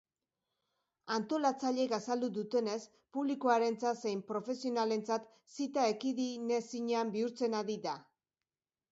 Antolatzaileek azaldu dutenez, publikoarentzat zein profesionalentzat zita ekidinezinean bihurtzen ari da.